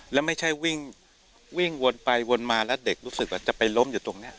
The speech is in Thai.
แล้วไม่ใช่วิ่งวนไปวนมาแล้วเด็กรู้สึกว่าจะไปล้มอยู่ตรงนี้